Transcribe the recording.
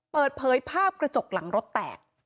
เปิดเผยภาพกระจกหลังรถแตก